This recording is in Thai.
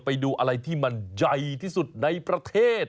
ไปดูอะไรที่มันใหญ่ที่สุดในประเทศ